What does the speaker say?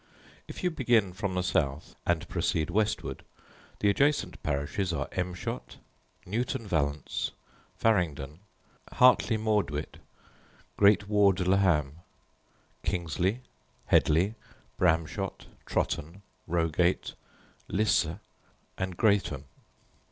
If you begin from the south and proceed westward, the adjacent parishes are Emshot, Newton Valence, Faringdon, Harteley Mauduit, Great Ward le Ham, Kingsley, Hedleigh, Bramshot, Trotton, Rogate, Lysse, and Greatham.